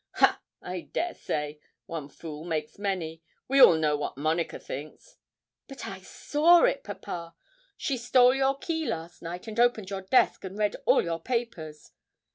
'Ha! I dare say; one fool makes many. We all know what Monica thinks.' 'But I saw it, papa. She stole your key last night, and opened your desk, and read all your papers.'